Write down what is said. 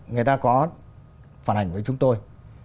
người ta có phản ảnh với chúng tôi